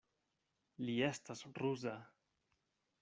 Li estas ruza.